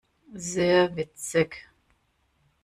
Sehr witzig!